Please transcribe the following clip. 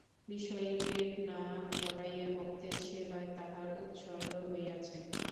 বিষয়ীর পেট না ভরাইয়া ভক্তের সেবায় তাহার উৎসর্গ হইয়াছে।